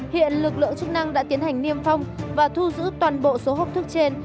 hiện lực lượng chức năng đã tiến hành niêm phong và thu giữ toàn bộ số hộp thức trên